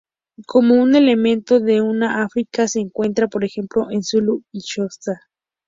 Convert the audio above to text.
Como un elemento de una africada, se encuentra por ejemplo en zulú y xhosa.